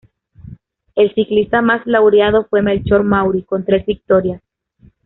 El ciclista más laureado fue Melchor Mauri, con tres victorias.